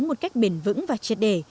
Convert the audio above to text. một cách bền vững và chết để